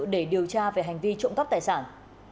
để điều tra về hành vi trộm cắp tài sản